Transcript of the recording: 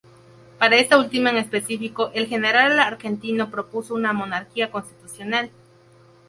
Para esta última en específico, el general argentino propuso una monarquía constitucional.